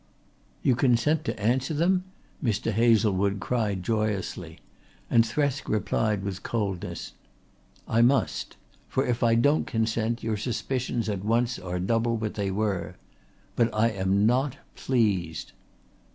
"You consent to answer them?" Mr. Hazlewood cried joyously, and Thresk replied with coldness: "I must. For if I don't consent your suspicions at once are double what they were. But I am not pleased."